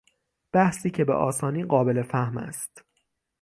بحثی که به آسانی قابل فهم است